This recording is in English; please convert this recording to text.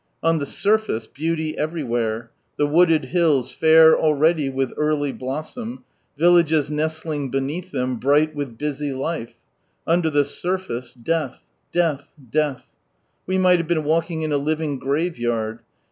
On tlu surface, beauty everywhere— the wooded hills fair already with early blossom, villages nestling beneath them, bright with busy life: under iht surfoee — death, death, death. We might have been walking in a living graveyard.